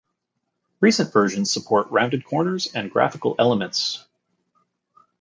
Recent versions support rounded corners and graphical elements.